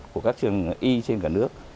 của các trường y trên cả nước